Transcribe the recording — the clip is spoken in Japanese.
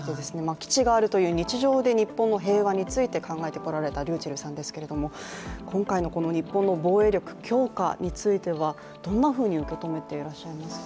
基地があるということで日常の日本の平和について考えてこられたｒｙｕｃｈｅｌｌさんですけれども、今回のこの日本の防衛力強化についてはどんなふうに受け止めていらっしゃいますか？